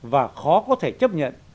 và khó có thể chấp nhận